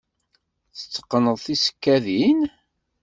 Tetteqqneḍ tisekkadin?